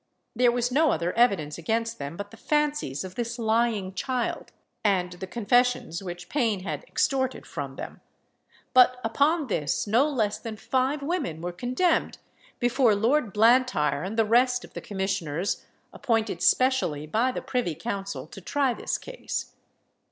There was no other evidence against them but the fancies of this lying child, and the confessions which pain had extorted from them; but upon this no less than five women were condemned before Lord Blantyre and the rest of the commissioners, appointed specially by the privy council to try this case.